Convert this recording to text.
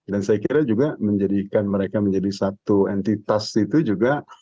dan saya kira juga menjadikan mereka menjadi satu entitas itu juga